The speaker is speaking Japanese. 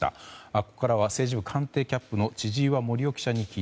ここからは政治部官邸キャップの千々岩森生記者です。